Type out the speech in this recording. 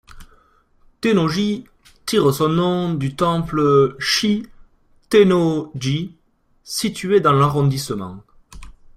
Tennōji tire son nom du temple Shi Tennō-ji, situé dans l'arrondissement.